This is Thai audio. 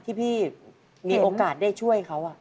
ที่พี่มีโอกาสได้ช่วยเขา